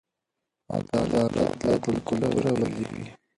عدالت باید له کلتوره وزېږي.